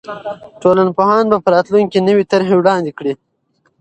ټولنپوهان به په راتلونکي کې نوې طرحې وړاندې کړي.